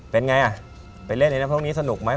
เป็นไงอ่ะไปเล่นในน้ำพร้อมนี้สนุกไหม